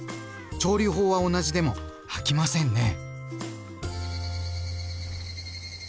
調理法は同じでも飽きませんね。